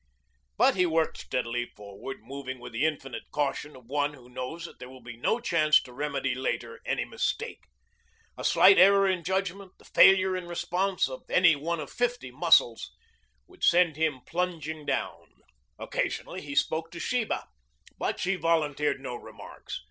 But he worked steadily forward, moving with the infinite caution of one who knows that there will be no chance to remedy later any mistake. A slight error in judgment, the failure in response of any one of fifty muscles, would send him plunging down. Occasionally he spoke to Sheba, but she volunteered no remarks.